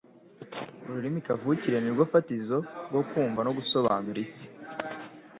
Ururimi kavukire ni rwo fatizo ryo kumva no gusobanura isi